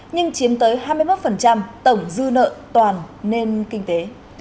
nhưng chiếm tới hai mươi một tổng du nợ toàn nên kinh tế